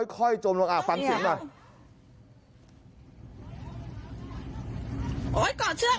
ค่อยจมละฟังเสียงหน่อย